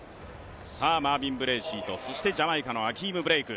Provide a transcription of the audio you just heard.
マービン・ブレーシーとジャマイカのアキーム・ブレイク